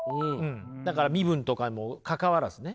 だから身分とかもかかわらずね。